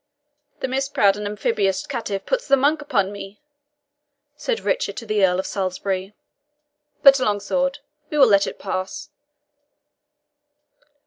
"The misproud and amphibious caitiff puts the monk upon me," said Richard to the Earl of Salisbury. "But, Longsword, we will let it pass.